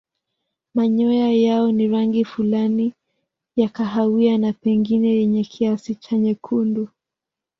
Manyoya yao ni rangi fulani ya kahawia na pengine yenye kiasi cha nyekundu.